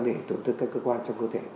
để tổng tượng các cơ quan trong cơ thể